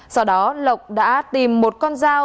sau đó lộc đã tìm một con dao